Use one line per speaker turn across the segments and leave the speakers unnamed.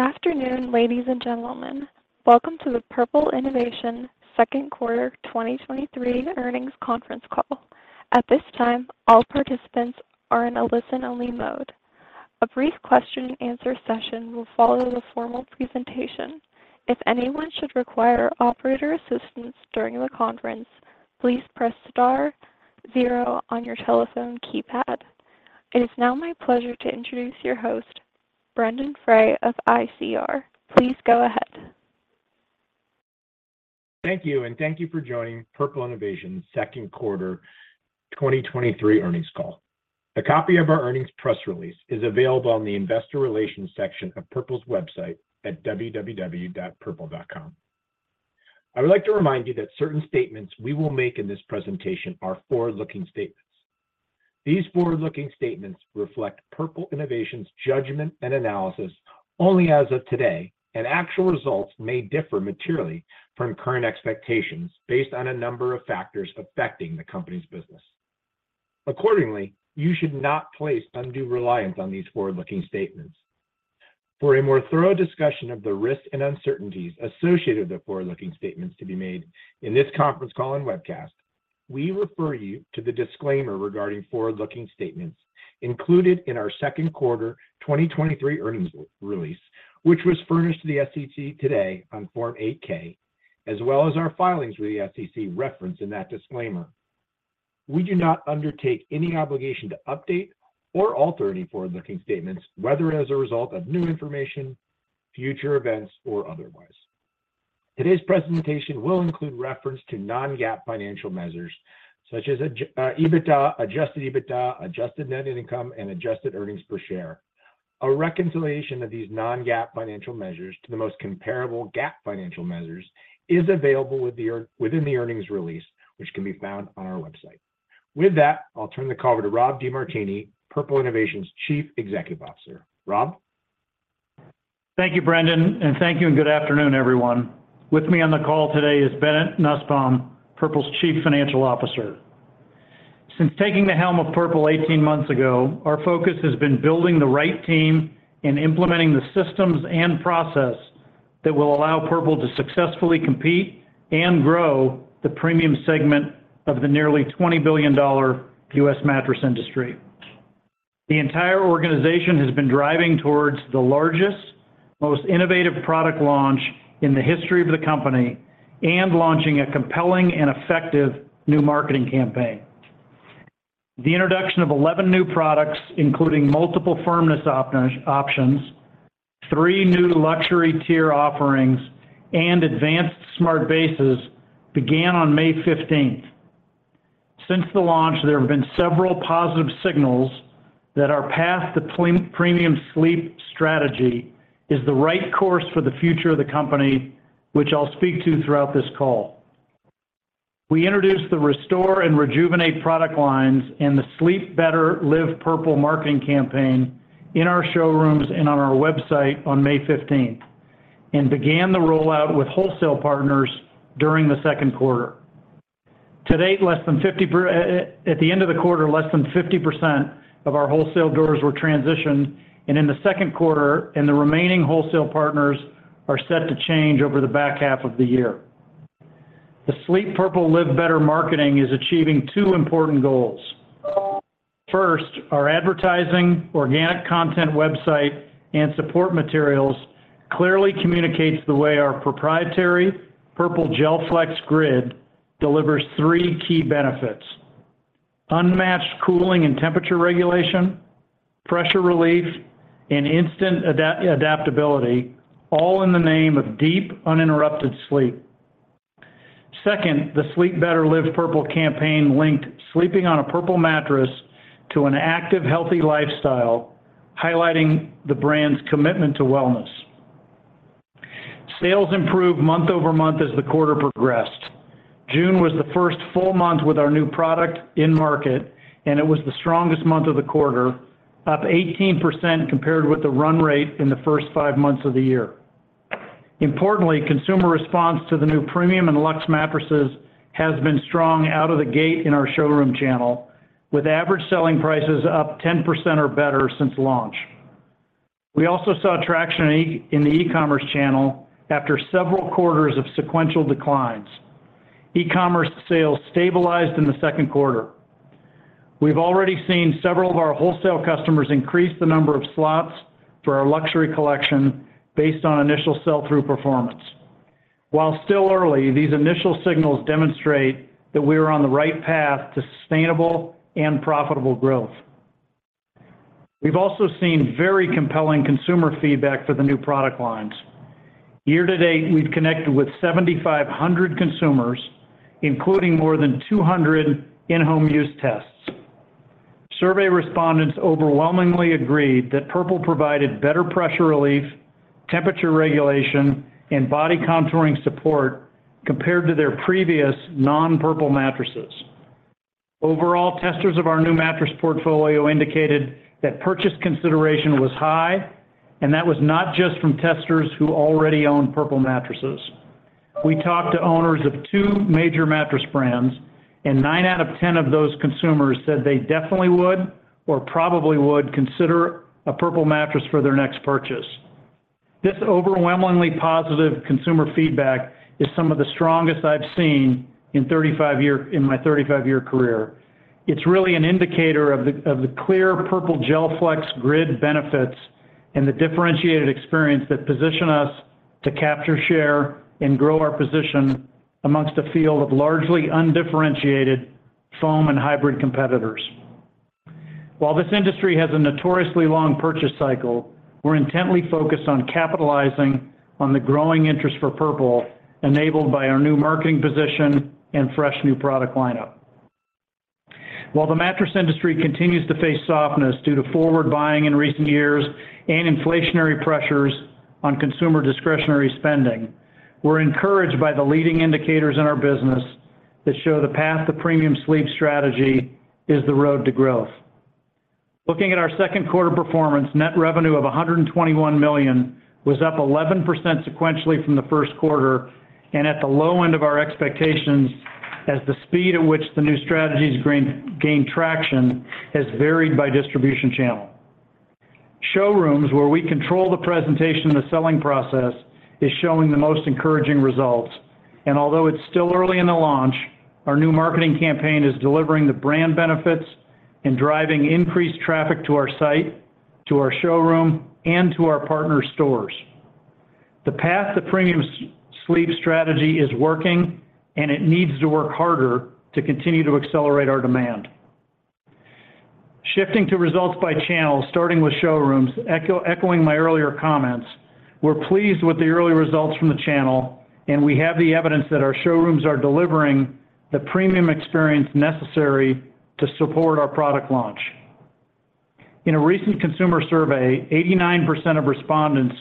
Good afternoon, ladies and gentlemen. Welcome to the Purple Innovation second quarter 2023 earnings conference call. At this time, all participants are in a listen-only mode. A brief question-and-answer session will follow the formal presentation. If anyone should require operator assistance during the conference, please press star 0 on your telephone keypad. It is now my pleasure to introduce your host, Brendon Frey of ICR. Please go ahead.
Thank you, and thank you for joining Purple Innovation second quarter 2023 earnings call. A copy of our earnings press release is available on the investor relations section of Purple's website at www.purple.com. I would like to remind you that certain statements we will make in this presentation are forward-looking statements. These forward-looking statements reflect Purple Innovation's judgment and analysis only as of today, and actual results may differ materially from current expectations based on a number of factors affecting the company's business. Accordingly, you should not place undue reliance on these forward-looking statements. For a more thorough discussion of the risks and uncertainties associated with forward-looking statements to be made in this conference call and webcast, we refer you to the disclaimer regarding forward-looking statements included in our second quarter 2023 earnings re-release, which was furnished to the SEC today on Form 8-K, as well as our filings with the SEC referenced in that disclaimer. We do not undertake any obligation to update or alter any forward-looking statements, whether as a result of new information, future events, or otherwise. Today's presentation will include reference to non-GAAP financial measures such as EBITDA, Adjusted EBITDA, Adjusted Net Income, and Adjusted Earnings Per Share. A reconciliation of these non-GAAP financial measures to the most comparable GAAP financial measures is available within the earnings release, which can be found on our website. With that, I'll turn the call over to Rob DeMartini, Purple Innovation's Chief Executive Officer. Rob?
Thank you, Brendon, thank you, and good afternoon, everyone. With me on the call today is Bennett Nussbaum, Purple's Chief Financial Officer. Since taking the helm of Purple 18 months ago, our focus has been building the right team and implementing the systems and process that will allow Purple to successfully compete and grow the premium segment of the nearly $20 billion U.S. mattress industry. The entire organization has been driving towards the largest, most innovative product launch in the history of the company, and launching a compelling and effective new marketing campaign. The introduction of 11 new products, including multiple firmness options, 3 new luxury tier offerings, and advanced smart bases, began on May fifteenth. Since the launch, there have been several positive signals that our path to premium sleep strategy is the right course for the future of the company, which I'll speak to throughout this call. We introduced the Restore and Rejuvenate product lines and the Sleep Better, Live Purple marketing campaign in our showrooms and on our website on May 15th, and began the rollout with wholesale partners during the second quarter. To date, at the end of the quarter, less than 50% of our wholesale doors were transitioned, and in the second quarter, and the remaining wholesale partners are set to change over the back half of the year. The Sleep Better, Live Purple marketing is achieving two important goals. First, our advertising, organic content website, and support materials clearly communicates the way our proprietary Purple GelFlex Grid delivers 3 key benefits: unmatched cooling and temperature regulation, pressure relief, and instant adaptability, all in the name of deep, uninterrupted sleep. Second, the Sleep Better, Live Purple campaign linked sleeping on a Purple mattress to an active, healthy lifestyle, highlighting the brand's commitment to wellness. Sales improved month-over-month as the quarter progressed. June was the first full month with our new product in market, and it was the strongest month of the quarter, up 18% compared with the run rate in the first 5 months of the year. Importantly, consumer response to the new premium and luxe mattresses has been strong out of the gate in our showroom channel, with average selling prices up 10% or better since launch. We also saw traction in the e-commerce channel after several quarters of sequential declines. E-commerce sales stabilized in the second quarter. We've already seen several of our wholesale customers increase the number of slots for our luxury collection based on initial sell-through performance. While still early, these initial signals demonstrate that we are on the right path to sustainable and profitable growth. We've also seen very compelling consumer feedback for the new product lines. Year to date, we've connected with 7,500 consumers, including more than 200 in-home use tests. Survey respondents overwhelmingly agreed that Purple provided better pressure relief, temperature regulation, and body contouring support compared to their previous non-Purple mattresses. Overall, testers of our new mattress portfolio indicated that purchase consideration was high, and that was not just from testers who already owned Purple mattresses. We talked to owners of 2 major mattress brands, and 9 out of 10 of those consumers said they definitely would or probably would consider a Purple mattress for their next purchase. This overwhelmingly positive consumer feedback is some of the strongest I've seen in 35 year, in my 35-year career. It's really an indicator of the clear Purple GelFlex Grid benefits and the differentiated experience that position us to capture share and grow our position amongst a field of largely undifferentiated foam and hybrid competitors. While this industry has a notoriously long purchase cycle, we're intently focused on capitalizing on the growing interest for Purple, enabled by our new marketing position and fresh new product lineup. While the mattress industry continues to face softness due to forward buying in recent years and inflationary pressures on consumer discretionary spending, we're encouraged by the leading indicators in our business that show the path to premium sleep strategy is the road to growth. Looking at our second quarter performance, net revenue of $121 million was up 11% sequentially from the first quarter and at the low end of our expectations, as the speed at which the new strategies gain traction has varied by distribution channel. Showrooms, where we control the presentation and the selling process, is showing the most encouraging results, and although it's still early in the launch, our new marketing campaign is delivering the brand benefits and driving increased traffic to our site, to our showroom, and to our partner stores. The path to premium sleep strategy is working, and it needs to work harder to continue to accelerate our demand. Shifting to results by channel, starting with showrooms, echoing my earlier comments, we're pleased with the early results from the channel, and we have the evidence that our showrooms are delivering the premium experience necessary to support our product launch. In a recent consumer survey, 89% of respondents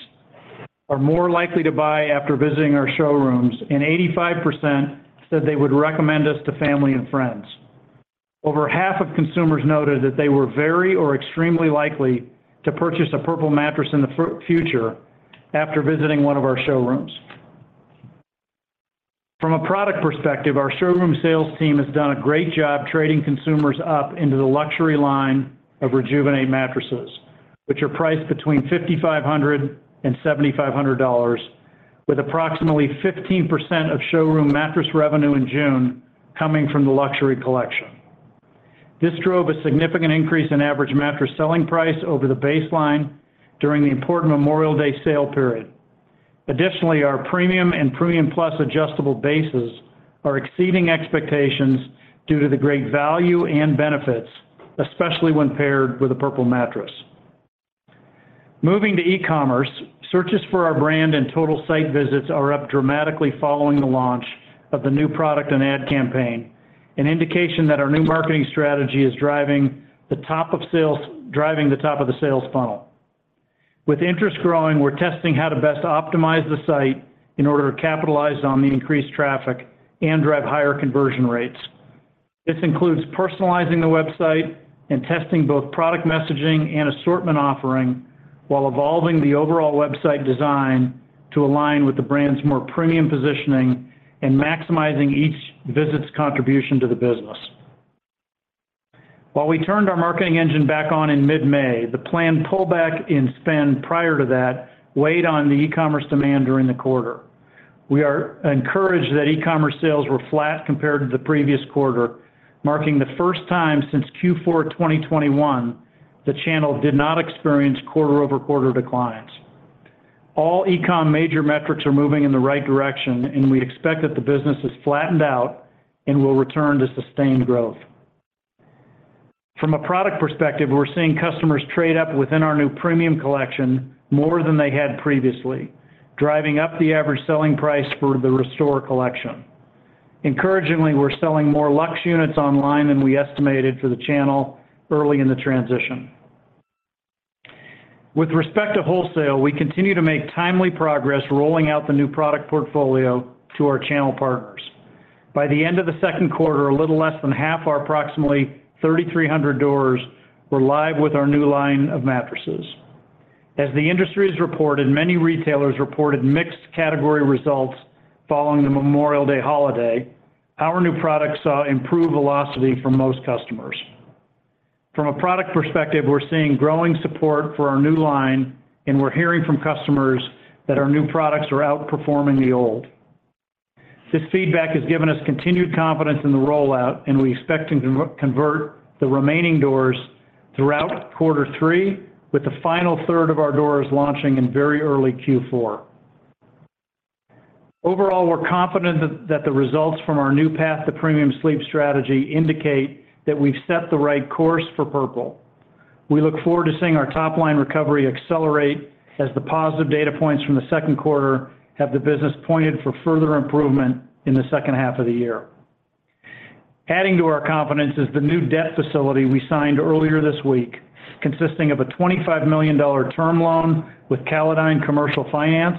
are more likely to buy after visiting our showrooms, and 85% said they would recommend us to family and friends. Over half of consumers noted that they were very or extremely likely to purchase a Purple mattress in the future after visiting one of our showrooms. From a product perspective, our showroom sales team has done a great job trading consumers up into the luxury line of Rejuvenate mattresses, which are priced between $5,500 and $7,500, with approximately 15% of showroom mattress revenue in June coming from the luxury collection. This drove a significant increase in average mattress selling price over the baseline during the important Memorial Day sale period. Additionally, our premium and premium plus adjustable bases are exceeding expectations due to the great value and benefits, especially when paired with a Purple mattress. Moving to e-commerce, searches for our brand and total site visits are up dramatically following the launch of the new product and ad campaign, an indication that our new marketing strategy is driving the top of sales-- driving the top of the sales funnel. With interest growing, we're testing how to best optimize the site in order to capitalize on the increased traffic and drive higher conversion rates. This includes personalizing the website and testing both product messaging and assortment offering, while evolving the overall website design to align with the brand's more premium positioning and maximizing each visit's contribution to the business. While we turned our marketing engine back on in mid-May, the planned pullback in spend prior to that weighed on the e-commerce demand during the quarter. We are encouraged that e-commerce sales were flat compared to the previous quarter, marking the first time since Q4 2021, the channel did not experience quarter-over-quarter declines. All e-com major metrics are moving in the right direction, and we expect that the business has flattened out and will return to sustained growth. From a product perspective, we're seeing customers trade up within our new premium collection more than they had previously, driving up the average selling price for the Restore collection. Encouragingly, we're selling more luxe units online than we estimated for the channel early in the transition. With respect to wholesale, we continue to make timely progress rolling out the new product portfolio to our channel partners. By the end of the second quarter, a little less than half our approximately 3,300 doors were live with our new line of mattresses. As the industry has reported, many retailers reported mixed category results following the Memorial Day holiday. Our new products saw improved velocity from most customers. From a product perspective, we're seeing growing support for our new line, and we're hearing from customers that our new products are outperforming the old. This feedback has given us continued confidence in the rollout, and we expect to convert the remaining doors throughout quarter three, with the final third of our doors launching in very early Q4. Overall, we're confident that the results from our new path to premium sleep strategy indicate that we've set the right course for Purple. We look forward to seeing our top-line recovery accelerate as the positive data points from the second quarter have the business pointed for further improvement in the second half of the year. Adding to our confidence is the new debt facility we signed earlier this week, consisting of a $25 million term loan with Callodine Commercial Finance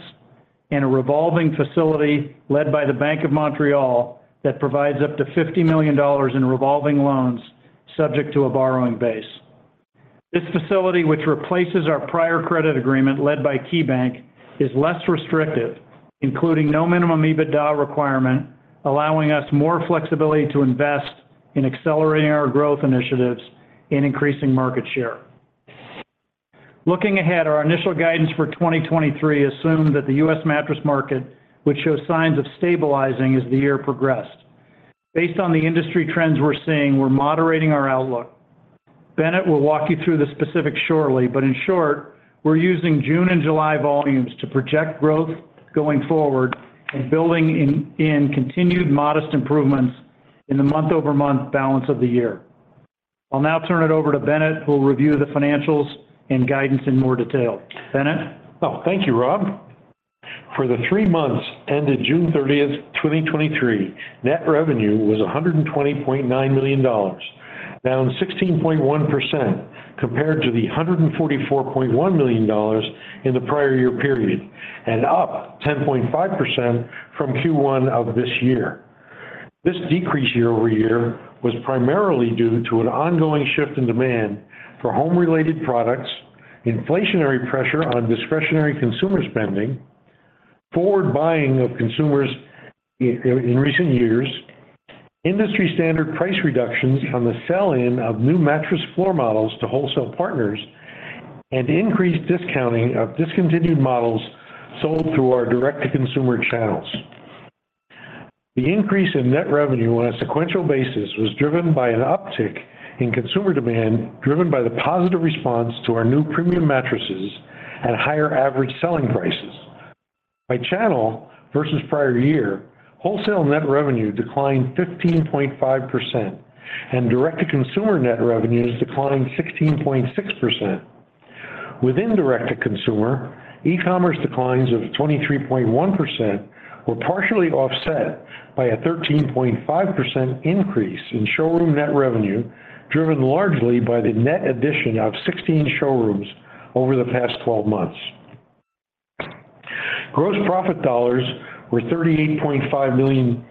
and a revolving facility led by the Bank of Montreal that provides up to $50 million in revolving loans, subject to a borrowing base. This facility, which replaces our prior credit agreement led by KeyBank, is less restrictive, including no minimum EBITDA requirement, allowing us more flexibility to invest in accelerating our growth initiatives and increasing market share. Looking ahead, our initial guidance for 2023 assumed that the U.S. mattress market would show signs of stabilizing as the year progressed. Based on the industry trends we're seeing, we're moderating our outlook. Bennett will walk you through the specifics shortly, but in short, we're using June and July volumes to project growth going forward and building in continued modest improvements in the month-over-month balance of the year. I'll now turn it over to Bennett, who will review the financials and guidance in more detail. Bennett?
Oh, thank you, Rob. For the three months ended June 30, 2023, net revenue was $120.9 million, down 16.1% compared to the $144.1 million in the prior year period, and up 10.5% from Q1 of this year. This decrease year-over-year was primarily due to an ongoing shift in demand for home-related products, inflationary pressure on discretionary consumer spending, forward buying of consumers in recent years, industry-standard price reductions on the sell-in of new mattress floor models to wholesale partners, and increased discounting of discontinued models sold through our direct-to-consumer channels. The increase in net revenue on a sequential basis was driven by an uptick in consumer demand, driven by the positive response to our new premium mattresses and higher average selling prices. By channel, versus prior year, wholesale net revenue declined 15.5%, and direct-to-consumer net revenues declined 16.6%. Within direct-to-consumer, e-commerce declines of 23.1% were partially offset by a 13.5% increase in showroom net revenue, driven largely by the net addition of 16 showrooms over the past 12 months. Gross profit dollars were $38.5 million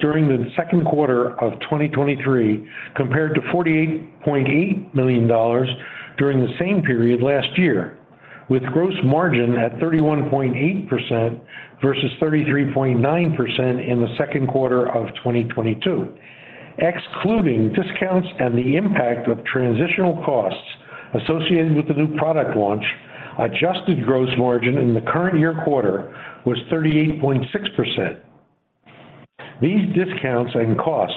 during the second quarter of 2023, compared to $48.8 million during the same period last year, with gross margin at 31.8% versus 33.9% in the second quarter of 2022. Excluding discounts and the impact of transitional costs associated with the new product launch, adjusted gross margin in the current year quarter was 38.6%. These discounts and costs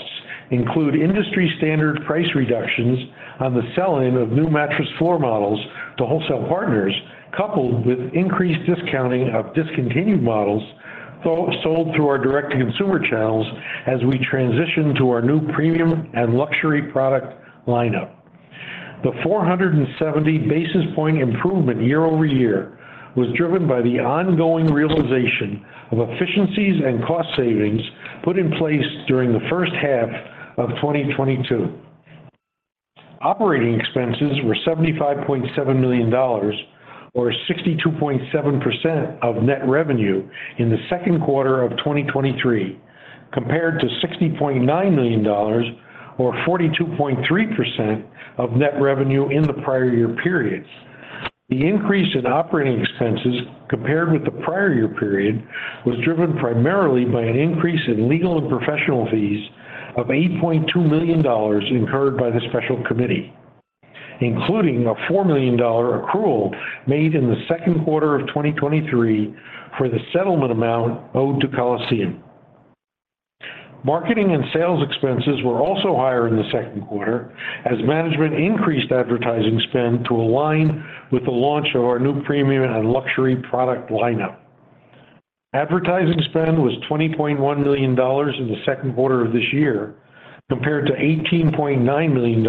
include industry-standard price reductions on the sell-in of new mattress floor models to wholesale partners, coupled with increased discounting of discontinued models sold through our direct-to-consumer channels as we transition to our new premium and luxury product line-up. The 470 basis point improvement year-over-year was driven by the ongoing realization of efficiencies and cost savings put in place during the first half of 2022. Operating expenses were $75.7 million, or 62.7% of net revenue in the second quarter of 2023, compared to $60.9 million, or 42.3% of net revenue in the prior year period. The increase in operating expenses compared with the prior year period was driven primarily by an increase in legal and professional fees of $8.2 million incurred by the Special Committee, including a $4 million accrual made in the second quarter of 2023 for the settlement amount owed to Coliseum. Marketing and sales expenses were also higher in the second quarter as management increased advertising spend to align with the launch of our new premium and luxury product lineup. Advertising spend was $20.1 million in the second quarter of this year, compared to $18.9 million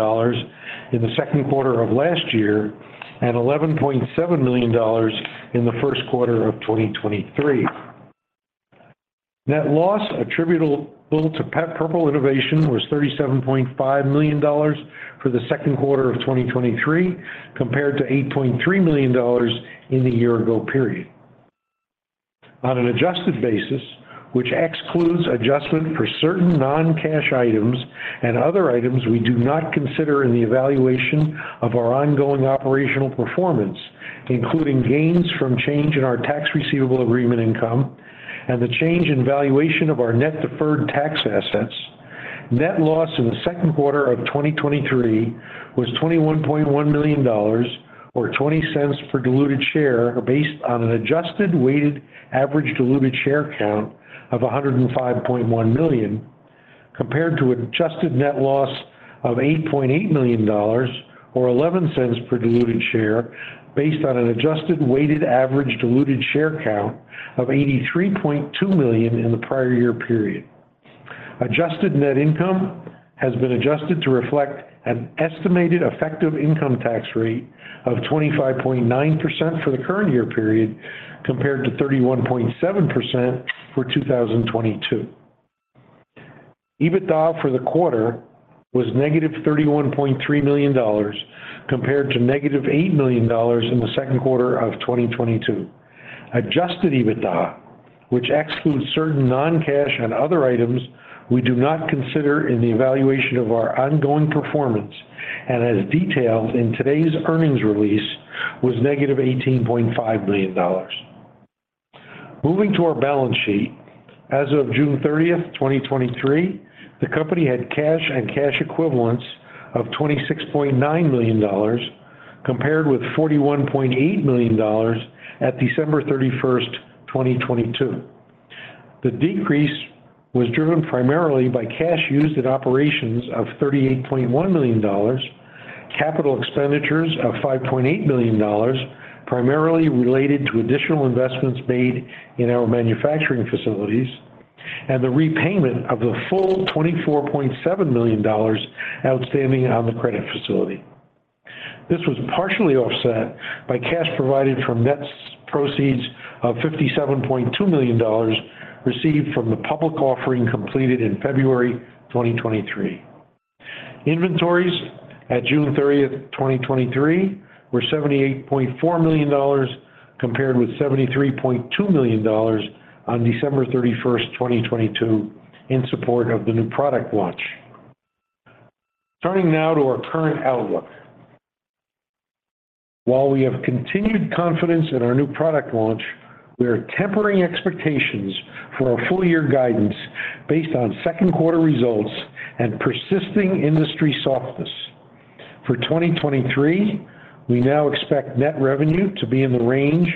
in the second quarter of last year and $11.7 million in the first quarter of 2023. Net loss attributable to Purple Innovation was $37.5 million for the second quarter of 2023, compared to $8.3 million in the year-ago period. On an adjusted basis, which excludes adjustment for certain non-cash items and other items we do not consider in the evaluation of our ongoing operational performance, including gains from change in our Tax Receivable Agreement income and the change in valuation of our net deferred tax assets, net loss in the second quarter of 2023 was $21.1 million or $0.20 per diluted share, based on an adjusted weighted average diluted share count of 105.1 million, compared to adjusted net loss of $8.8 million or $0.11 per diluted share, based on an adjusted weighted average diluted share count of 83.2 million in the prior year period. Adjusted Net Income has been adjusted to reflect an estimated effective income tax rate of 25.9% for the current year period, compared to 31.7% for 2022. EBITDA for the quarter was negative $31.3 million, compared to negative $8 million in the second quarter of 2022. Adjusted EBITDA, which excludes certain non-cash and other items we do not consider in the evaluation of our ongoing performance and as detailed in today's earnings release, was negative $18.5 million. Moving to our balance sheet. As of June 30, 2023, the company had cash and cash equivalents of $26.9 million, compared with $41.8 million at December 31, 2022. The decrease was driven primarily by cash used in operations of $38.1 million, capital expenditures of $5.8 million, primarily related to additional investments made in our manufacturing facilities, and the repayment of the full $24.7 million outstanding on the credit facility. This was partially offset by cash provided from net proceeds of $57.2 million, received from the public offering completed in February 2023. Inventories at June 30th, 2023, were $78.4 million, compared with $73.2 million on December 31st, 2022, in support of the new product launch. Turning now to our current outlook. While we have continued confidence in our new product launch, we are tempering expectations for our full year guidance based on second quarter results and persisting industry softness. For 2023, we now expect net revenue to be in the range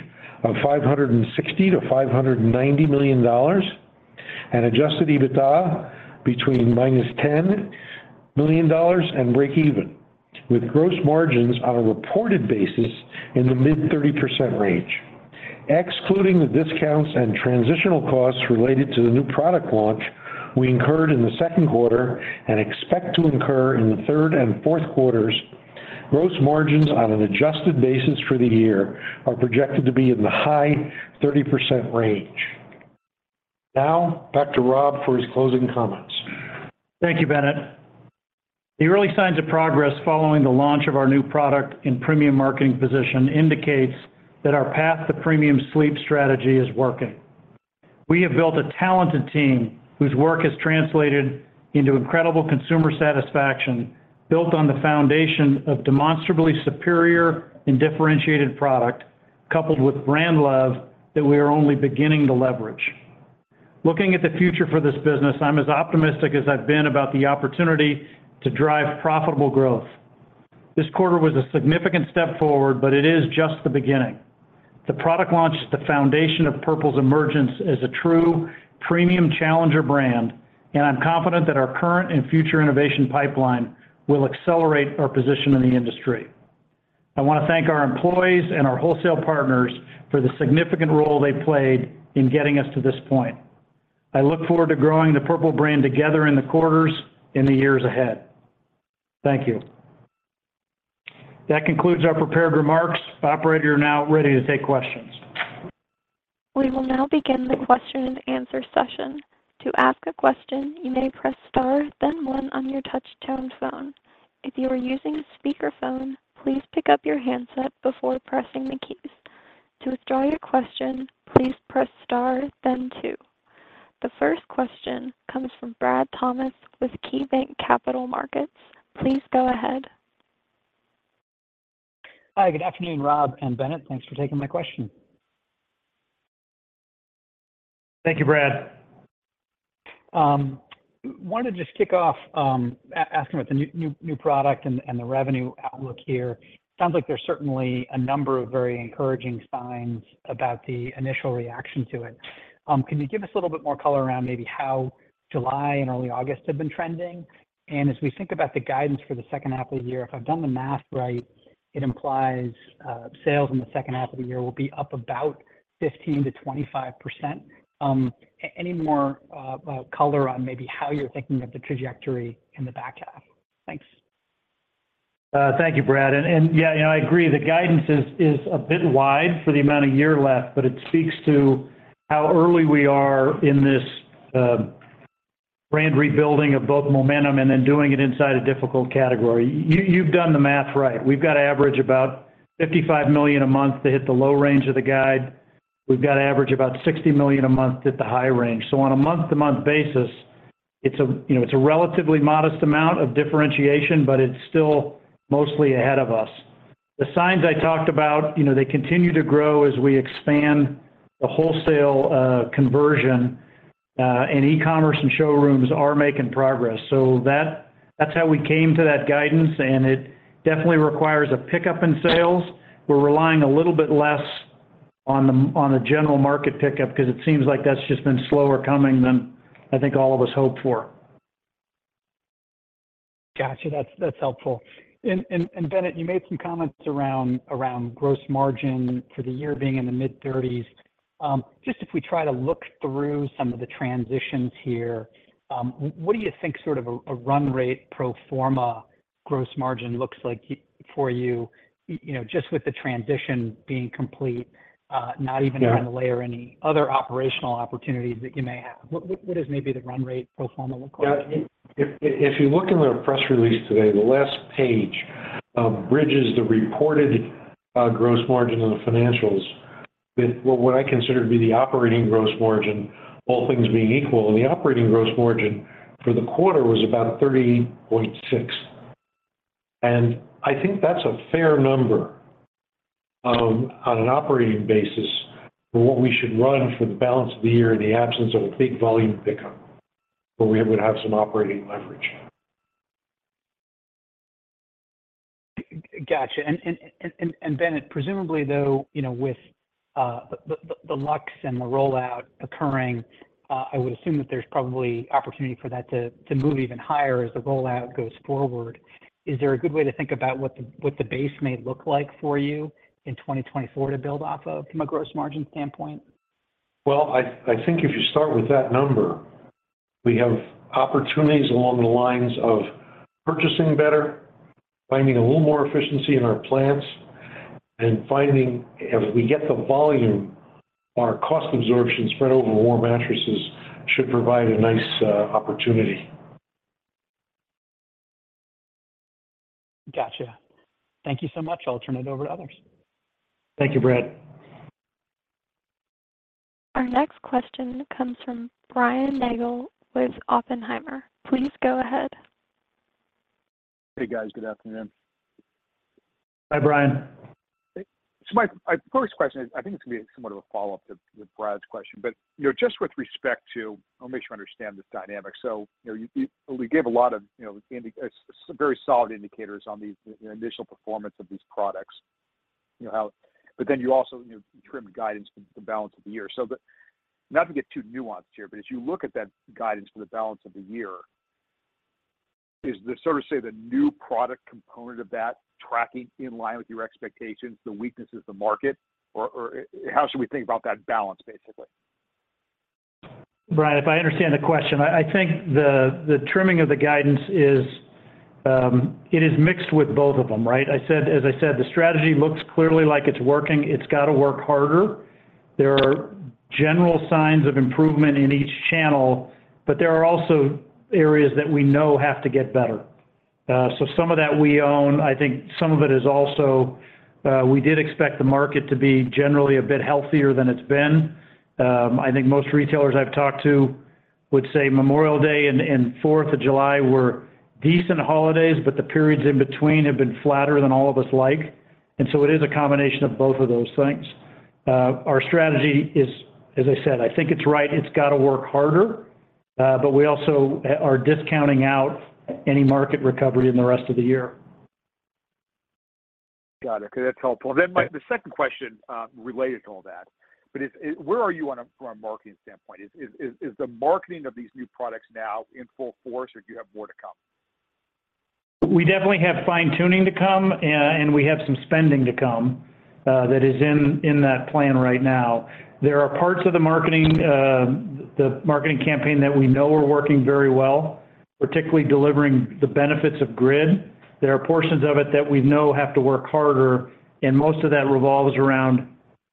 of $560 million-$590 million, and Adjusted EBITDA between -$10 million and breakeven, with gross margins on a reported basis in the mid 30% range. Excluding the discounts and transitional costs related to the new product launch we incurred in the second quarter and expect to incur in the third and fourth quarters, gross margins on an adjusted basis for the year are projected to be in the high 30% range. Back to Rob for his closing comments.
Thank you, Bennett. The early signs of progress following the launch of our new product and premium marketing position indicates that our path to premium sleep strategy is working. We have built a talented team, whose work has translated into incredible consumer satisfaction, built on the foundation of demonstrably superior and differentiated product, coupled with brand love that we are only beginning to leverage. Looking at the future for this business, I'm as optimistic as I've been about the opportunity to drive profitable growth. This quarter was a significant step forward, but it is just the beginning. The product launch is the foundation of Purple's emergence as a true premium challenger brand, and I'm confident that our current and future innovation pipeline will accelerate our position in the industry. I want to thank our employees and our wholesale partners for the significant role they played in getting us to this point. I look forward to growing the Purple brand together in the quarters in the years ahead. Thank you.
That concludes our prepared remarks. Operator, we're now ready to take questions.
We will now begin the question and answer session. To ask a question, you may press star, then one on your touchtone phone. If you are using a speakerphone, please pick up your handset before pressing the keys. To withdraw your question, please press star, then two. The first question comes from Brad Thomas with KeyBanc Capital Markets. Please go ahead.
Hi, good afternoon, Rob and Bennett. Thanks for taking my question.
Thank you, Brad.
Wanted to just kick off asking about the new, new, new product and the revenue outlook here. Sounds like there's certainly a number of very encouraging signs about the initial reaction to it. Can you give us a little bit more color around maybe how July and early August have been trending? And as we think about the guidance for the second half of the year, if I've done the math right, it implies sales in the second half of the year will be up about 15%-25%. Any more color on maybe how you're thinking of the trajectory in the back half? Thanks.
Thank you, Brad. And, yeah, you know, I agree, the guidance is a bit wide for the amount of year left, but it speaks to how early we are in this brand rebuilding of both momentum and then doing it inside a difficult category. You, you've done the math right. We've got to average about $55 million a month to hit the low range of the guide. We've got to average about $60 million a month at the high range. On a month-to-month basis, it's a, you know, it's a relatively modest amount of differentiation, but it's still mostly ahead of us. The signs I talked about, you know, they continue to grow as we expand the wholesale conversion, and e-commerce and showrooms are making progress. That- that's how we came to that guidance, and it definitely requires a pickup in sales. We're relying a little bit less on a general market pickup, because it seems like that's just been slower coming than I think all of us hoped for.
Gotcha, that's, that's helpful. And, and Bennett, you made some comments around, around gross margin for the year being in the mid-30s%. Just if we try to look through some of the transitions here, what do you think sort of a, a run rate pro forma gross margin looks like for you, you know, just with the transition being complete, not even-
Yeah...
trying to layer any other operational opportunities that you may have? What, what, what is maybe the run rate pro forma look like?
Yeah, if, if you look in our press release today, the last page. Bridges the reported gross margin on the financials with what, what I consider to be the operating gross margin, all things being equal. The operating gross margin for the quarter was about 30.6. I think that's a fair number, on an operating basis for what we should run for the balance of the year in the absence of a big volume pickup, where we would have some operating leverage.
Gotcha. And, and, and, Bennett, presumably, though, you know, with, the, the, the Lux and the rollout occurring, I would assume that there's probably opportunity for that to, to move even higher as the rollout goes forward. Is there a good way to think about what the, what the base may look like for you in 2024 to build off of from a gross margin standpoint?
I, I think if you start with that number, we have opportunities along the lines of purchasing better, finding a little more efficiency in our plants, and finding as we get the volume, our cost absorption spread over more mattresses should provide a nice opportunity.
Gotcha. Thank you so much. I'll turn it over to others.
Thank you, Brad.
Our next question comes from Brian Nagel with Oppenheimer. Please go ahead.
Hey, guys. Good afternoon.
Hi, Brian.
My, my first question, I think it's gonna be somewhat of a follow-up to Brad's question, but, you know, just with respect to. I'll make sure I understand this dynamic. You know, you, we gave a lot of, you know, some very solid indicators on the initial performance of these products. You know, how. You also, you trimmed guidance for the balance of the year. Not to get too nuanced here, but as you look at that guidance for the balance of the year, is the sort of, say, the new product component of that tracking in line with your expectations, the weaknesses of the market, or how should we think about that balance, basically?
Brian, if I understand the question, I think the trimming of the guidance is, it is mixed with both of them, right? As I said, the strategy looks clearly like it's working. It's got to work harder. There are general signs of improvement in each channel, but there are also areas that we know have to get better. Some of that we own. I think some of it is also, we did expect the market to be generally a bit healthier than it's been. I think most retailers I've talked to would say Memorial Day and Fourth of July were decent holidays, but the periods in between have been flatter than all of us like. It is a combination of both of those things. Our strategy is, as I said, I think it's right, it's got to work harder, but we also are discounting out any market recovery in the rest of the year.
Got it. Okay, that's helpful. The second question related to all that, is where are you from a marketing standpoint? Is the marketing of these new products now in full force, or do you have more to come?
We definitely have fine-tuning to come, and we have some spending to come, that is in, in that plan right now. There are parts of the marketing, the marketing campaign that we know are working very well, particularly delivering the benefits of grid. There are portions of it that we know have to work harder, and most of that revolves around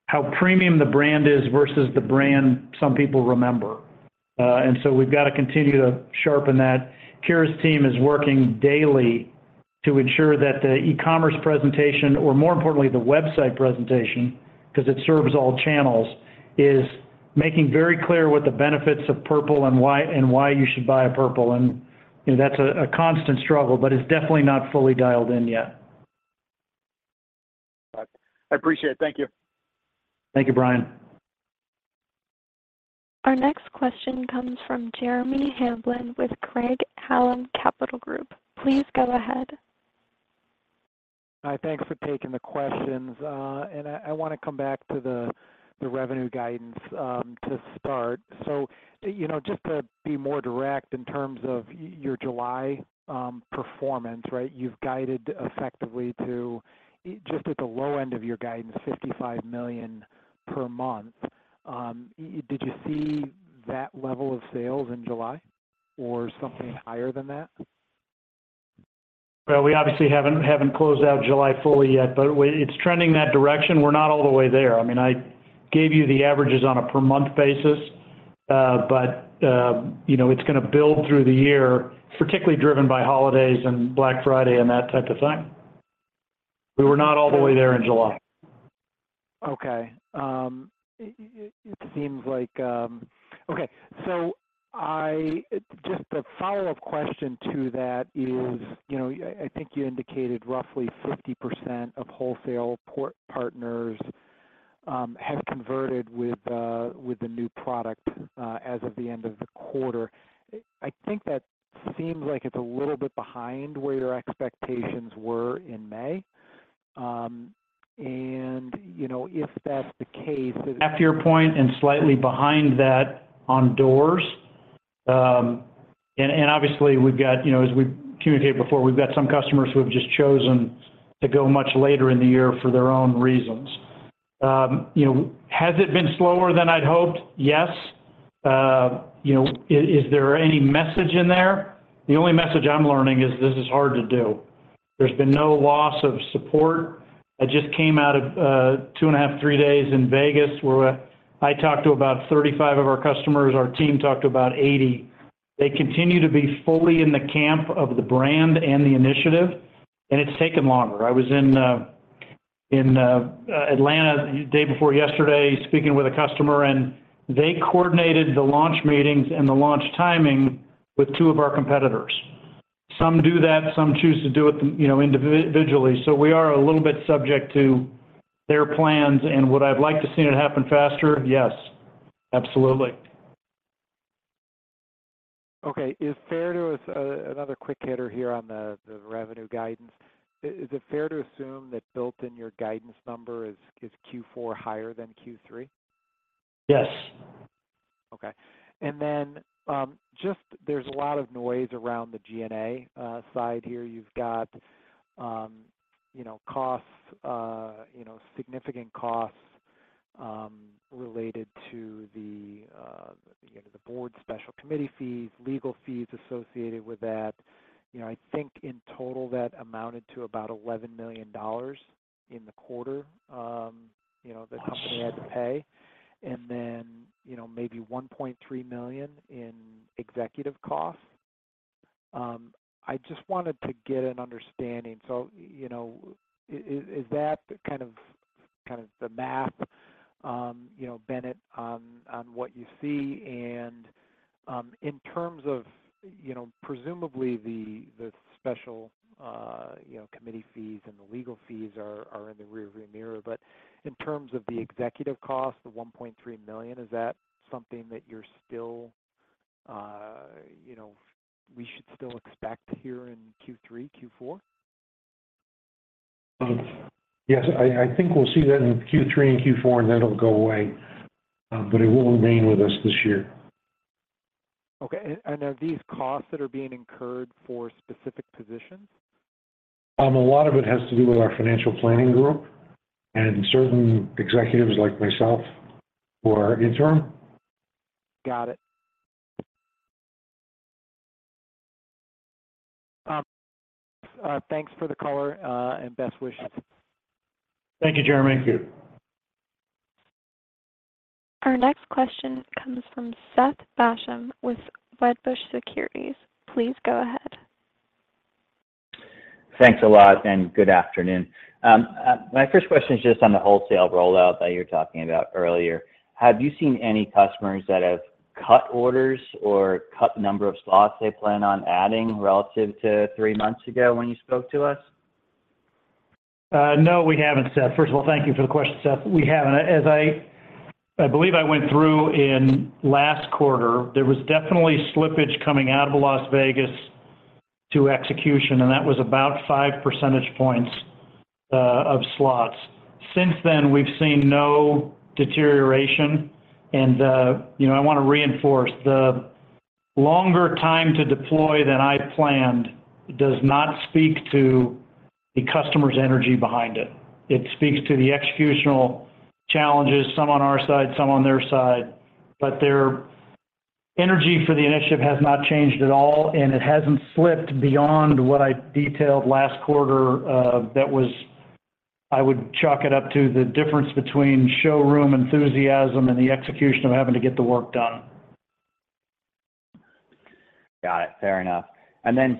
how premium the brand is versus the brand some people remember. So we've got to continue to sharpen that. Keira's team is working daily to ensure that the e-commerce presentation, or more importantly, the website presentation, 'cause it serves all channels, is making very clear what the benefits of Purple and why, and why you should buy a Purple. You know, that's a, a constant struggle, but it's definitely not fully dialed in yet.
Got it. I appreciate it. Thank you.
Thank you, Brian.
Our next question comes from Jeremy Hamblin with Craig-Hallum Capital Group. Please go ahead.
Hi, thanks for taking the questions. I want to come back to the revenue guidance to start. You know, just to be more direct in terms of your July performance, right? You've guided effectively to just at the low end of your guidance, $55 million per month. Did you see that level of sales in July or something higher than that?
Well, we obviously haven't, haven't closed out July fully yet, but it's trending that direction. We're not all the way there. I mean, I gave you the averages on a per month basis, but, you know, it's going to build through the year, particularly driven by holidays and Black Friday and that type of thing. We were not all the way there in July.
Okay. It seems like, Okay, Just a follow-up question to that is, you know, I, I think you indicated roughly 50% of wholesale port partners have converted with the new product as of the end of the quarter. I, I think that seems like it's a little bit behind where your expectations were in May. You know, if that's the case, it.
After your point and slightly behind that on doors. And, and obviously, we've got, you know, as we communicated before, we've got some customers who have just chosen to go much later in the year for their own reasons. You know, has it been slower than I'd hoped? Yes. You know, is there any message in there? The only message I'm learning is this is hard to do. There's been no loss of support. I just came out of 2.5, 3 days in Vegas, where I talked to about 35 of our customers. Our team talked to about 80. They continue to be fully in the camp of the brand and the initiative, and it's taken longer. I was in, in Atlanta the day before yesterday, speaking with a customer. They coordinated the launch meetings and the launch timing with two of our competitors. Some do that, some choose to do it, you know, individually. We are a little bit subject to their plans. Would I've liked to seen it happen faster? Yes, absolutely.
Okay. Is fair to another quick hitter here on the, the revenue guidance. Is it fair to assume that built in your guidance number is, is Q4 higher than Q3?
Yes.
Okay. Then, just there's a lot of noise around the GNA side here. You've got, you know, costs, you know, significant costs, related to the, you know, the Board Special Committee fees, legal fees associated with that. You know, I think in total, that amounted to about $11 million in the quarter, you know.
Yes.
The company had to pay, then, you know, maybe $1.3 million in executive costs. I just wanted to get an understanding. You know, is that kind of, kind of the math, you know, Bennett, on, on what you see? In terms of, you know, presumably the, the Special Committee fees and the legal fees are, are in the rearview mirror, but in terms of the executive cost, the $1.3 million, is that something that you're still, you know, we should still expect here in Q3, Q4?
Yes, I, I think we'll see that in Q3 and Q4, and then it'll go away, but it will remain with us this year.
Okay. Are these costs that are being incurred for specific positions?
A lot of it has to do with our financial planning group and certain executives like myself who are interim.
Got it. Thanks for the color, and best wishes.
Thank you, Jeremy.
Thank you.
Our next question comes from Seth Basham with Wedbush Securities. Please go ahead.
Thanks a lot. Good afternoon. My first question is just on the wholesale rollout that you were talking about earlier. Have you seen any customers that have cut orders or cut the number of slots they plan on adding relative to three months ago when you spoke to us?
No, we haven't, Seth. First of all, thank you for the question, Seth. We haven't. As I, I believe I went through in last quarter, there was definitely slippage coming out of Las Vegas to execution, and that was about 5 percentage points of slots. Since then, we've seen no deterioration. You know, I want to reinforce, the longer time to deploy than I planned does not speak to the customer's energy behind it. It speaks to the executional challenges, some on our side, some on their side, but their energy for the initiative has not changed at all, and it hasn't slipped beyond what I detailed last quarter. That was. I would chalk it up to the difference between showroom enthusiasm and the execution of having to get the work done.
Got it. Fair enough.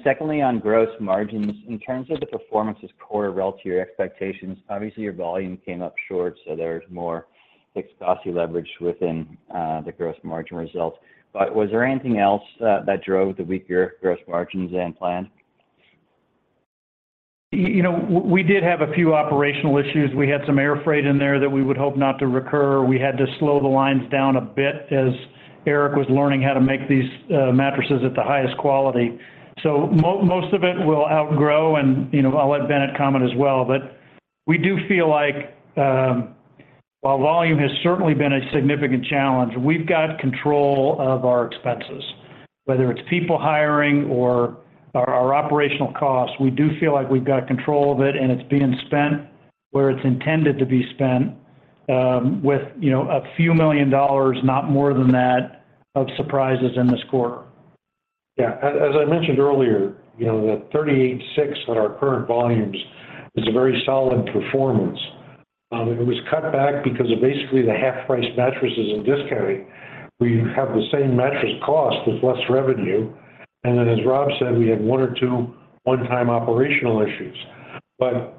Secondly, on gross margins, in terms of the performance this quarter relative to your expectations, obviously, your volume came up short, so there's more fixed cost leverage within the gross margin results. Was there anything else that drove the weaker gross margins than planned?
You know, we did have a few operational issues. We had some air freight in there that we would hope not to recur. We had to slow the lines down a bit as Eric was learning how to make these mattresses at the highest quality. Most of it we'll outgrow and, you know, I'll let Bennett comment as well, but we do feel like, while volume has certainly been a significant challenge, we've got control of our expenses. Whether it's people hiring or our, our operational costs, we do feel like we've got control of it, and it's being spent where it's intended to be spent, with, you know, a few million dollars, not more than that, of surprises in this quarter.
Yeah. As, as I mentioned earlier, you know, the 38.6 at our current volumes is a very solid performance. It was cut back because of basically the half-price mattresses and discounting, where you have the same mattress cost with less revenue. Then, as Rob said, we had one or two one-time operational issues. The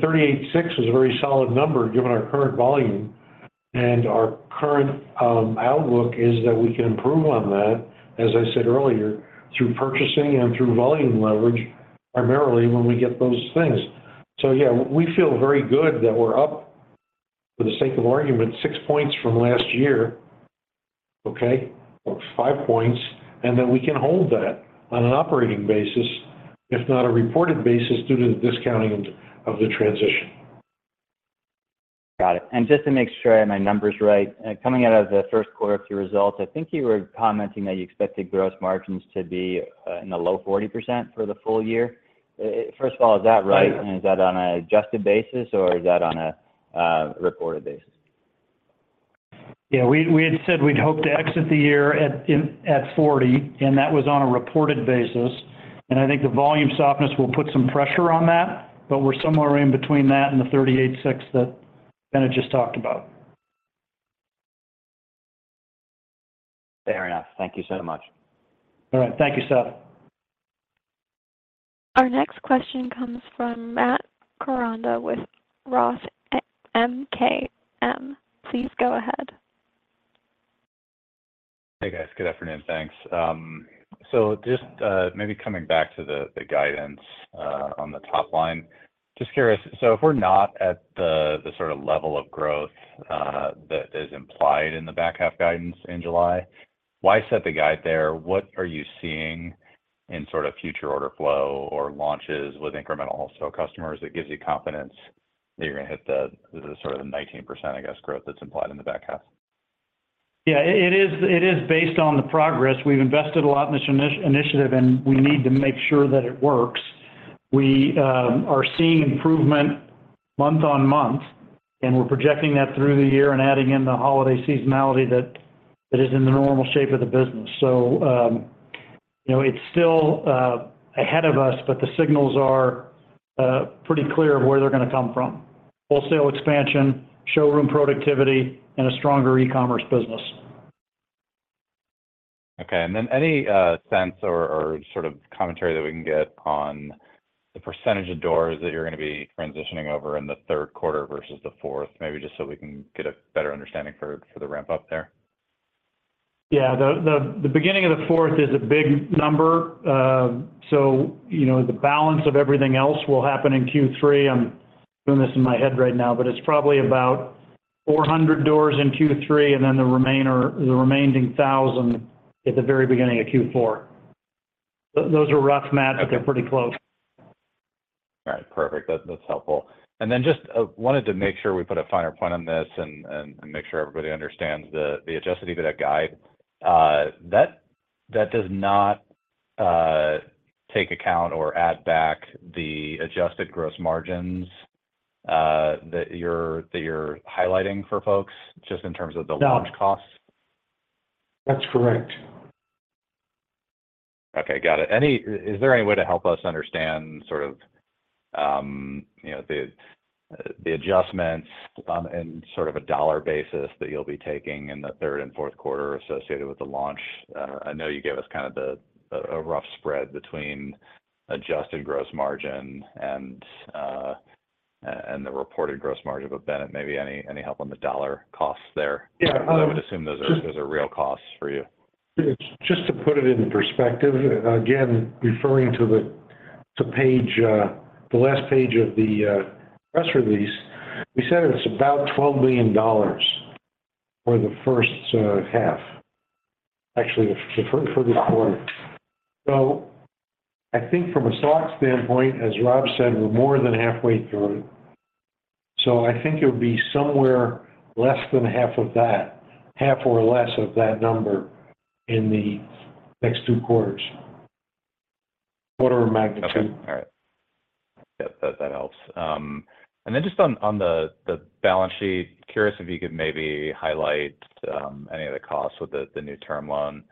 38.6 is a very solid number given our current volume, and our current outlook is that we can improve on that, as I said earlier, through purchasing and through volume leverage, primarily when we get those things. Yeah, we feel very good that we're up, for the sake of argument, 6 points from last year, okay, or 5 points, and that we can hold that on an operating basis, if not a reported basis, due to the discounting of, of the transition.
Got it. Just to make sure I have my numbers right, coming out of the first quarter of your results, I think you were commenting that you expected gross margins to be in the low 40% for the full year. First of all, is that right? Is that on an adjusted basis, or is that on a reported basis?
Yeah, we, we had said we'd hope to exit the year at, in, at 40, and that was on a reported basis, and I think the volume softness will put some pressure on that, but we're somewhere in between that and the 38.6 that Bennett just talked about.
Fair enough. Thank you so much.
All right. Thank you, Seth.
Our next question comes from Matthew Koranda with Roth MKM. Please go ahead.
Hey, guys. Good afternoon. Thanks. Just, maybe coming back to the, the guidance, on the top line, just curious, so if we're not at the, the sort of level of growth, that is implied in the back half guidance in July, why set the guide there? What are you seeing in sort of future order flow or launches with incremental wholesale customers that gives you confidence that you're gonna hit the, the sort of the 19%, I guess, growth that's implied in the back half?
Yeah, it, it is, it is based on the progress. We've invested a lot in this initiative, and we need to make sure that it works. We are seeing improvement month-on-month, and we're projecting that through the year and adding in the holiday seasonality that, that is in the normal shape of the business. You know, it's still ahead of us, but the signals are pretty clear of where they're gonna come from: wholesale expansion, showroom productivity, and a stronger e-commerce business.
Okay. Any sense or sort of commentary that we can get on the percentage of doors that you're gonna be transitioning over in the third quarter versus the fourth? Maybe just so we can get a better understanding for the ramp-up there.
Yeah. The, the, the beginning of the fourth is a big number. You know, the balance of everything else will happen in Q3. I'm doing this in my head right now, but it's probably about 400 doors in Q3, and then the remainder, the remaining 1,000 at the very beginning of Q4. Those are rough math-
Okay.
They're pretty close.
All right. Perfect. That, that's helpful. Just, wanted to make sure we put a finer point on this and, and, and make sure everybody understands the, the Adjusted EBITDA guide. That, that does not, take account or add back the Adjusted gross margins, that you're, that you're highlighting for folks, just in terms of the-
No
launch costs?
That's correct.
Okay, got it. Any? Is there any way to help us understand sort of, you know, the adjustments in sort of a dollar basis that you'll be taking in the third and fourth quarter associated with the launch? I know you gave us kind of the a rough spread between Adjusted Gross Margin and and the reported gross margin, but then maybe any, any help on the dollar costs there?
Yeah, just-
'Cause I would assume those are, those are real costs for you.
It's just to put it in perspective, again, referring to the, to page, the last page of the press release, we said it's about $12 million for the first half, actually for this quarter. I think from a stock standpoint, as Rob said, we're more than halfway through, so I think it would be somewhere less than half of that, half or less of that number in the next 2 quarters. Order of magnitude.
Okay. All right. Yep, that, that helps. Then just on, on the, the balance sheet, curious if you could maybe highlight, any of the costs with the, the new term loan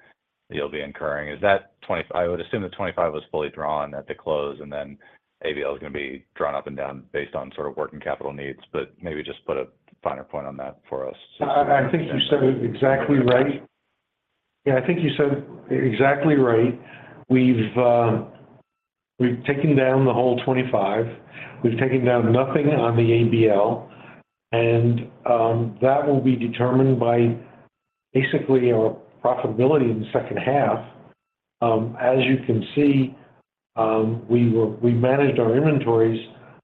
that you'll be incurring. Is that $20... I would assume the $25 was fully drawn at the close, and then ABL is gonna be drawn up and down based on sort of working capital needs, but maybe just put a finer point on that for us.
I think you said it exactly right. Yeah, I think you said it exactly right. We've, we've taken down the whole $25. We've taken down nothing on the ABL. That will be determined by basically our profitability in the second half. As you can see, we managed our inventories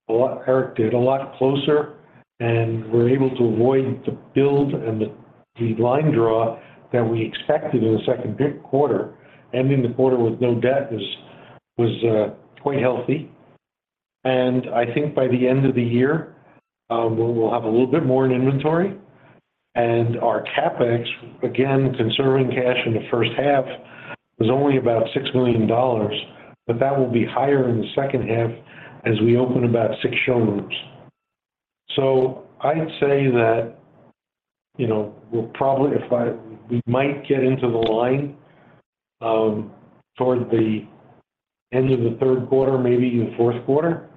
a lot- Eric, get a lot closer, we're able to avoid the build and the line draw that we expected in the second quarter. Ending the quarter with no debt was quite healthy. I think by the end of the year, we'll have a little bit more in inventory. Our CapEx, again, conserving cash in the first half, was only about $6 million. That will be higher in the second half as we open about six showrooms. I'd say that, you know, we'll probably, we might get into the line towards the end of the third quarter, maybe in the fourth quarter.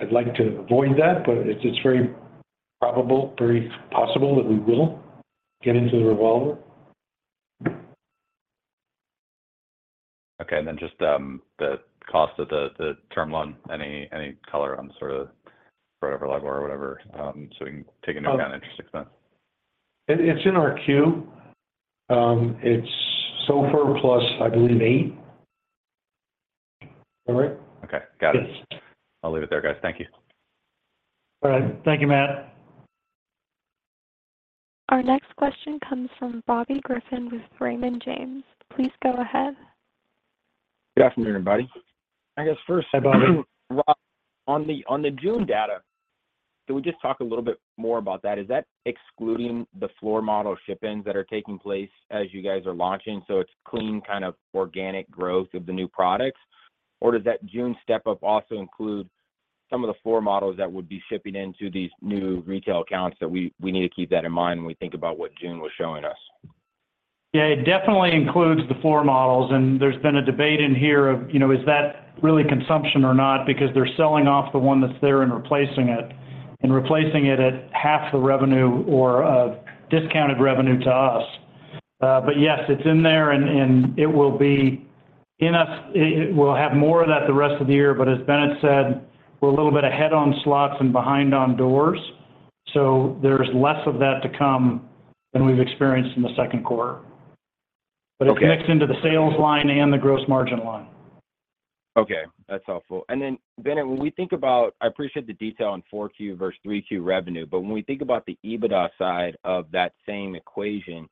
I'd like to avoid that, but it's, it's very probable, very possible that we will get into the revolver.
Okay, just, the cost of the, the term loan, any, any color on sort of whatever level or whatever, so we can take a note on interest expense?
It, it's in our Q. It's SOFR plus, I believe, eight. Is that right?
Okay, got it.
Yes.
I'll leave it there, guys. Thank you.
All right. Thank you, Matt.
Our next question comes from Bobby Griffin with Raymond James. Please go ahead.
Good afternoon, everybody.
Hi, Bobby.
I guess first, Rob, on the, on the June data, can we just talk a little bit more about that? Is that excluding the floor model ship-ins that are taking place as you guys are launching, so it's clean, kind of organic growth of the new products? Or does that June step-up also include some of the floor models that would be shipping into these new retail accounts that we, we need to keep that in mind when we think about what June was showing us?...
Yeah, it definitely includes the floor models. There's been a debate in here of, you know, is that really consumption or not? Because they're selling off the one that's there and replacing it, and replacing it at half the revenue or discounted revenue to us. But yes, it's in there. It will be enough. It, it will have more of that the rest of the year. As Bennett said, we're a little bit ahead on slots and behind on doors, so there's less of that to come than we've experienced in the second quarter.
Okay.
It connects into the sales line and the gross margin line.
Okay, that's helpful. Then, Bennett, when we think about... I appreciate the detail on 4Q versus 3Q revenue, when we think about the EBITDA side of that same equation,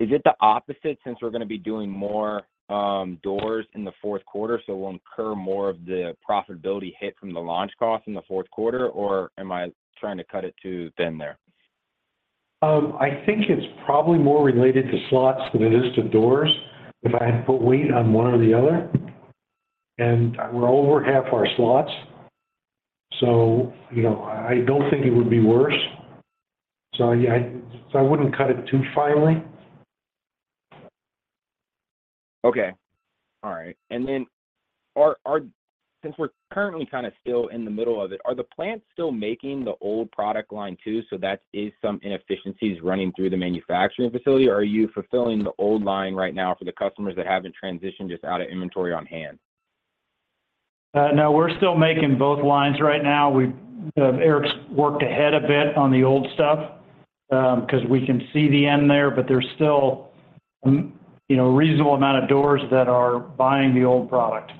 is it the opposite since we're gonna be doing more doors in the fourth quarter, so we'll incur more of the profitability hit from the launch cost in the fourth quarter? Am I trying to cut it too thin there?
I think it's probably more related to slots than it is to doors, if I had to put weight on one or the other. We're over half our slots, so, you know, I don't think it would be worse. Yeah, I, so I wouldn't cut it too finely.
Okay. All right. Since we're currently kind of still in the middle of it, are the plants still making the old product line, too, so that is some inefficiencies running through the manufacturing facility? Are you fulfilling the old line right now for the customers that haven't transitioned just out of inventory on hand?
No, we're still making both lines right now. We've... Eric's worked ahead a bit on the old stuff, 'cause we can see the end there, but there's still, you know, a reasonable amount of doors that are buying the old product.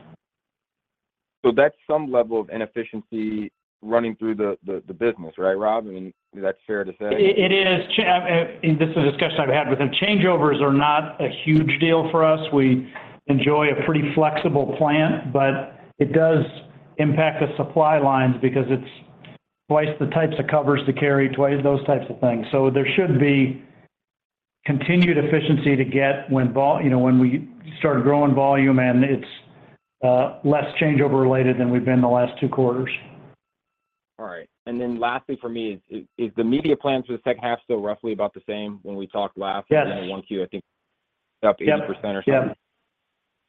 That's some level of inefficiency running through the, the, the business, right, Rob? I mean, is that fair to say?
It is, this is a discussion I've had with him. Changeovers are not a huge deal for us. We enjoy a pretty flexible plant. It does impact the supply lines because it's twice the types of covers to carry, twice those types of things. There should be continued efficiency to get when you know, when we start growing volume. It's less changeover related than we've been the last 2 quarters.
All right. Then lastly for me, is the media plan for the second half still roughly about the same when we talked last...
Yes...
in one Q, I think up 80% or so.
Yep.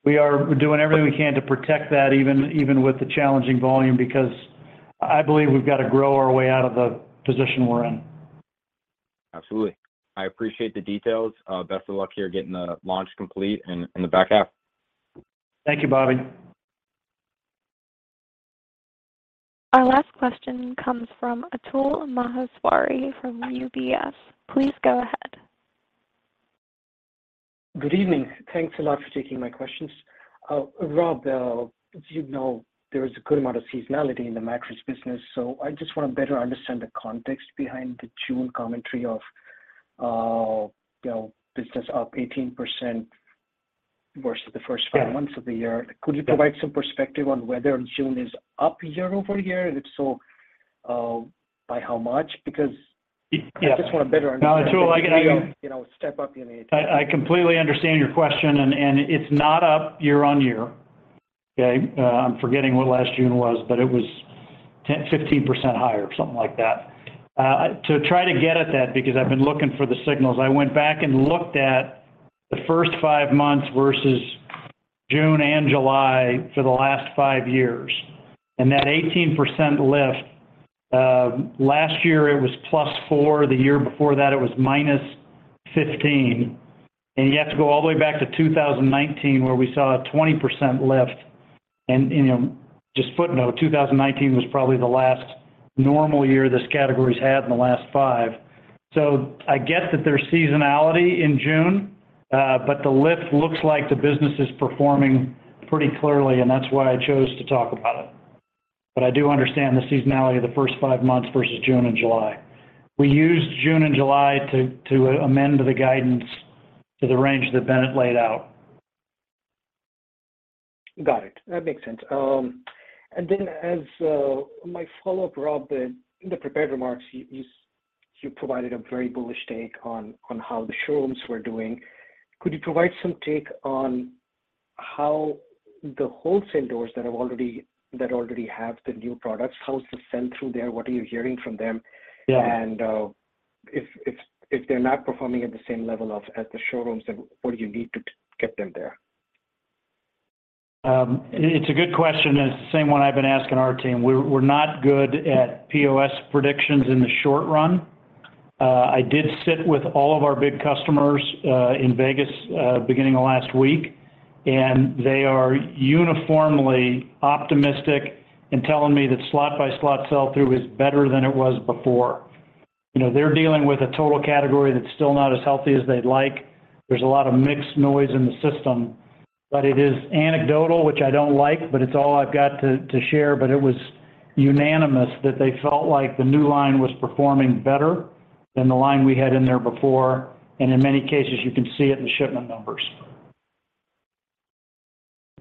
We are doing everything we can to protect that, even, even with the challenging volume, because I believe we've got to grow our way out of the position we're in.
Absolutely. I appreciate the details. Best of luck here getting the launch complete and the back half.
Thank you, Bobby.
Our last question comes from Atul Maheswari from UBS. Please go ahead.
Good evening. Thanks a lot for taking my questions. Rob, as you know, there is a good amount of seasonality in the mattress business, so I just want to better understand the context behind the June commentary of, you know, business up 18% versus the first five months-
Yeah...
of the year. Could you provide some perspective on whether June is up year-over-year? If so, by how much?
Yeah
I just want to better understand- No, Atul, I get you. You know, step up in it. I, I completely understand your question, and it's not up year-on-year. Okay? I'm forgetting what last June was, but it was 10%-15% higher, something like that. To try to get at that, because I've been looking for the signals, I went back and looked at the first 5 months versus June and July for the last 5 years. That 18% lift, last year it was +4, the year before that it was -15. You have to go all the way back to 2019, where we saw a 20% lift. Just a footnote, 2019 was probably the last normal year this category's had in the last 5.
I get that there's seasonality in June, but the lift looks like the business is performing pretty clearly, and that's why I chose to talk about it. I do understand the seasonality of the first five months versus June and July. We used June and July to, to amend the guidance to the range that Bennett laid out.
Got it. That makes sense. As my follow-up, Rob, in the prepared remarks, you provided a very bullish take on how the showrooms were doing. Could you provide some take on how the wholesale doors that already have the new products, how's the sell-through there? What are you hearing from them?
Yeah.
If they're not performing at the same level of as the showrooms, then what do you need to get them there? It's a good question, it's the same one I've been asking our team. We're, we're not good at POS predictions in the short run. I did sit with all of our big customers in Vegas beginning of last week, they are uniformly optimistic in telling me that slot-by-slot sell-through is better than it was before. You know, they're dealing with a total category that's still not as healthy as they'd like. There's a lot of mixed noise in the system, it is anecdotal, which I don't like, it's all I've got to, to share. It was unanimous that they felt like the new line was performing better than the line we had in there before, in many cases, you can see it in the shipment numbers.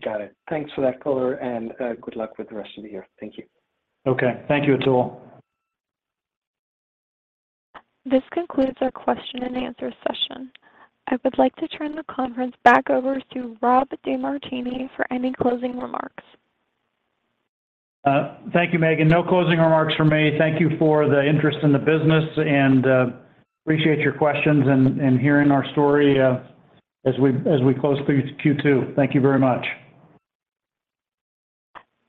Got it. Thanks for that color, and good luck with the rest of the year. Thank you.
Okay. Thank you, Atul.
This concludes our question and answer session. I would like to turn the conference back over to Rob DeMartini for any closing remarks.
Thank you, Megan. No closing remarks from me. Thank you for the interest in the business, and appreciate your questions and, and hearing our story as we close Q2. Thank you very much.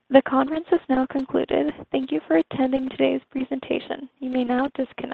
The conference is now concluded. Thank you for attending today's presentation. You may now disconnect.